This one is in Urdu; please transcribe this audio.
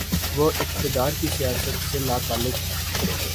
وہ اقتدار کی سیاست سے لاتعلق ہے۔